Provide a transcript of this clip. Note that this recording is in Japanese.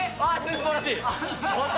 すばらしい。